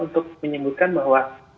untuk menyebutkan bahwa